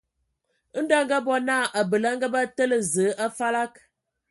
Ndɔ a ngabɔ naa, abəl a ngabə tǝ̀lə Zəə a falag.